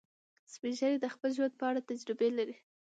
سپین ږیری د خپل ژوند په اړه تجربې لري